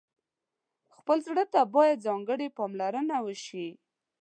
خپل زړه ته باید ځانګړې پاملرنه وشي.